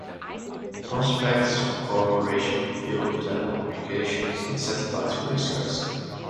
Prospects for cooperation in the field of telecommunications and satellites were discussed.